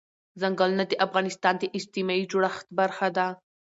ځنګلونه د افغانستان د اجتماعي جوړښت برخه ده.